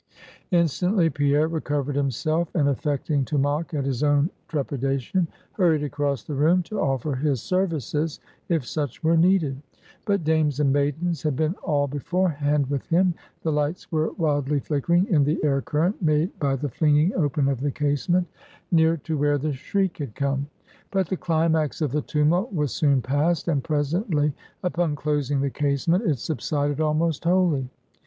Instantly Pierre recovered himself, and affecting to mock at his own trepidation, hurried across the room to offer his services, if such were needed. But dames and maidens had been all beforehand with him; the lights were wildly flickering in the air current made by the flinging open of the casement, near to where the shriek had come. But the climax of the tumult was soon past; and presently, upon closing the casement, it subsided almost wholly.